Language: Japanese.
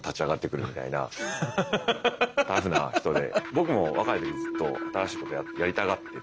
僕も若い時ずっと新しいことやりたがってですね